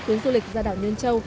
tuyến du lịch ra đảo nhân châu